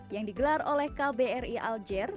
yang digelar oleh kbri alger